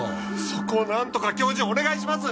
そこをなんとか教授お願いします！